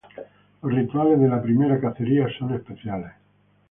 Los rituales de la primera cacería son especiales.